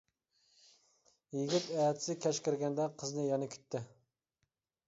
يىگىت ئەتىسى كەچ كىرگەندە، قىزنى يەنە كۈتتى.